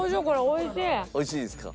おいしいですか？